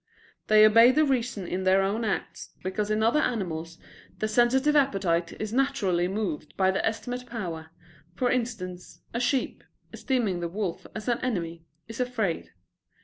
They obey the reason in their own acts, because in other animals the sensitive appetite is naturally moved by the estimative power; for instance, a sheep, esteeming the wolf as an enemy, is afraid.